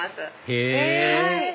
へぇ！